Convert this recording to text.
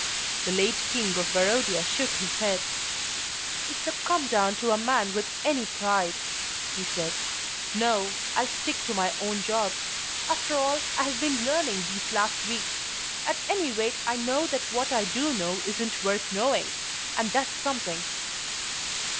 The late King of Barodia shook his head. "It's a come down to a man with any pride," he said. "No, I'll stick to my own job. After all, I've been learning these last weeks; at any rate I know that what I do know isn't worth knowing, and that's something."